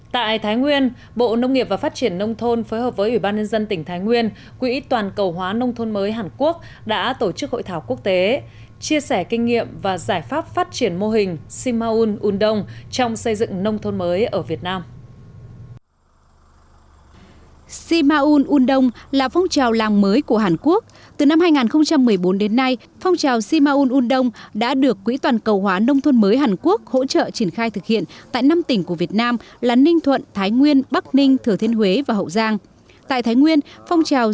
tại thái nguyên bộ nông nghiệp và phát triển nông thôn phối hợp với ủy ban nhân dân tỉnh thái nguyên quỹ toàn cầu hóa nông thôn mới hàn quốc đã tổ chức hội thảo quốc tế chia sẻ kinh nghiệm và giải pháp phát triển mô hình simaun undong trong xây dựng nông thôn mới ở việt nam